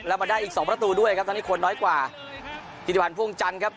แล้วมาได้อีกสองประตูด้วยครับตอนนี้คนน้อยกว่าธิริพันธ์พ่วงจันทร์ครับ